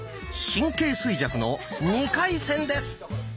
「神経衰弱」の２回戦です。